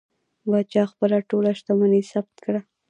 پاچا خپله ټوله شتمني ثبت کړه.